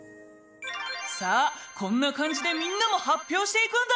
さあこんなかんじでみんなもはっぴょうしていくんだ！